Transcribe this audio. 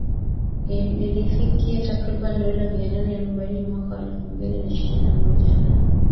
lilifikia takriban dola mia nane arobaini mwaka wa elfu mbili na ishirini na moja na